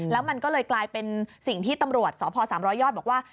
แล้วมันก็เลยกลายเป็นสิ่งที่ตำรวจสพ๓๐๐ยอดบอกว่า